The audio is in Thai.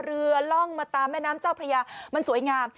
ร่องมาตามแม่น้ำเจ้าพระยามันสวยงาม